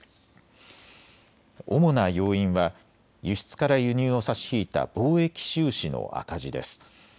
主な要因は輸出から輸入を差し引いた貿易収支の赤字です。